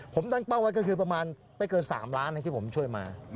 ผมตั้งเป้าไว้ก็คือประมาณไม่เกิน๓ล้านที่ผมช่วยมา